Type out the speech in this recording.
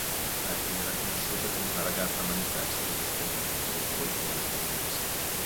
Reddy era conosciuta come una "ragazza-manifesto" del femminismo o icona femminista.